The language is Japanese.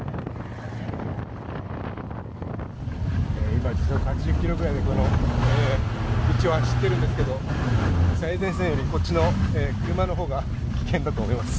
今、時速８０キロくらいで、この道を走ってるんですけど、最前線よりこっちの車のほうが危険だと思います。